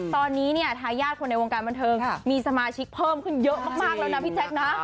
ตอนนี้เนี่ยทายาทคนในวงการบันเทิงมีสมาชิกเพิ่มขึ้นเยอะมากแล้วนะพี่แจ๊คนะ